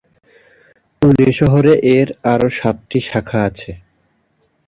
পুনে শহরে এর আরও সাতটি শাখা আছে।